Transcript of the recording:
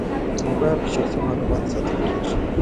موبایل کې شخصي معلومات ساتل کېږي.